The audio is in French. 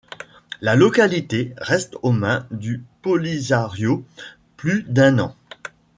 La localité reste aux mains du Polisario plus d'un an.